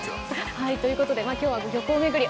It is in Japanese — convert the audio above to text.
はいということで今日は漁港巡り